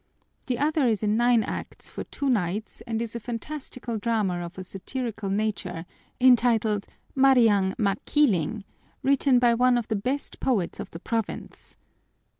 The other is in nine acts for two nights and is a fantastical drama of a satirical nature, entitled 'Mariang Makiling,' written by one of the best poets of the province.